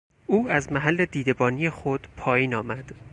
او از محل دیدبانی خود پایین آمد.